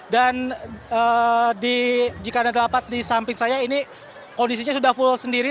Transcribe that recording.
dan jika anda dapat di samping saya ini kondisinya sudah full sendiri